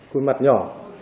cui mặt nhỏ